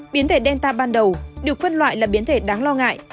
biến thể delta ban đầu được phân loại là biến thể đáng lo ngại